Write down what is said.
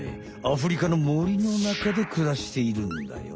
アフリカのもりのなかでくらしているんだよ。